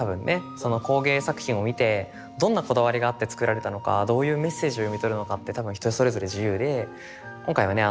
その工芸作品を見てどんなこだわりがあって作られたのかどういうメッセージを読み取るのかって多分人それぞれ自由で今回はね